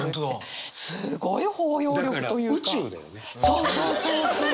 そうそうそうそう！